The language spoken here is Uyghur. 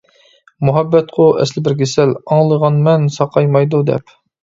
مۇھەببەتقۇ ئەسلى بىر كېسەل، ئاڭلىغانمەن ساقايمايدۇ دەپ.